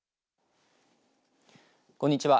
こんにちは。